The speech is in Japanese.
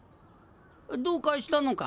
どうかしたのか？